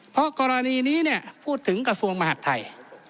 เพราะกรณีนี้เนี่ยพูดถึงกระทรวงมหาดไทย